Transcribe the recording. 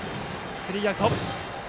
スリーアウト。